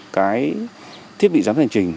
cái thiết bị giám sát hành trình